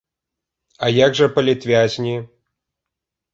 А як жа палітвязні?